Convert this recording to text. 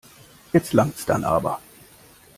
Jetzt langt's dann aber.